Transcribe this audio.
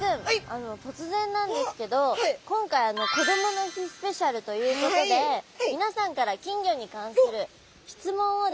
あの突然なんですけど今回こどもの日スペシャルということでみなさんから金魚に関する質問をですね